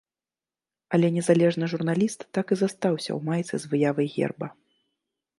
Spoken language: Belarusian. Але незалежны журналіст так і застаўся ў майцы з выявай герба.